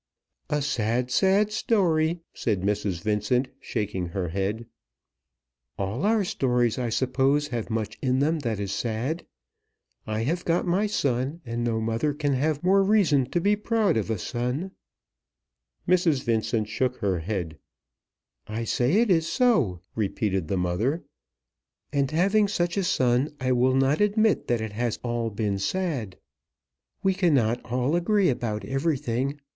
"A sad, sad story," said Mrs. Vincent, shaking her head. "All our stories I suppose have much in them that is sad. I have got my son, and no mother can have more reason to be proud of a son." Mrs. Vincent shook her head. "I say it is so," repeated the mother; "and having such a son, I will not admit that it has all been sad." "I wish he were more ready to perform his religious duties," said Mrs. Vincent. "We cannot all agree about everything.